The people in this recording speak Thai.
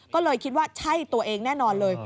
ก็เลยคิดว่าใช่ตัวเองแน่นอนเลย